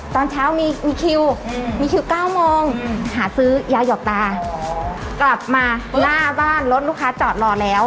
ตอนเช้ามีคิวมีคิว๙โมงหาซื้อยาหยอกตากลับมาหน้าบ้านรถลูกค้าจอดรอแล้ว